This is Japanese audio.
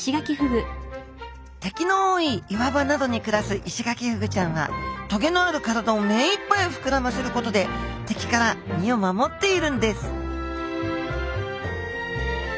敵の多い岩場などに暮らすイシガキフグちゃんは棘のある体をめいっぱい膨らませることで敵から身を守っているんです